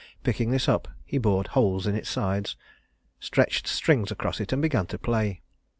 Picking this up, he bored holes in its side, stretched strings across it, and began to play.